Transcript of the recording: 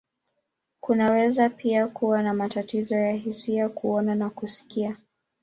Kunaweza pia kuwa na matatizo ya hisia, kuona, na kusikia.